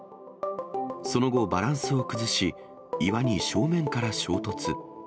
その後、バランスを崩し、岩に正面から衝突。